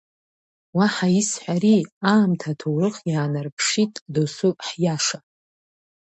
Уаҳа исҳәари, аамҭа аҭоурых иаанарԥшааит досу ҳиаша.